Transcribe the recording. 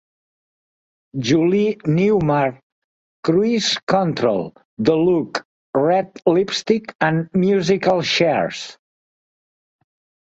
Julie Newmar; "Cruise Control"; "The Look"; "Red Lipstick", and "Musical Chairs".